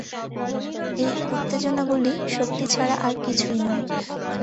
এই উত্তেজনাগুলি শক্তি ছাড়া আর কিছুই নয়।